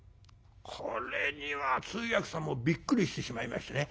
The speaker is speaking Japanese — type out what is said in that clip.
これには通訳さんもびっくりしてしまいましてね。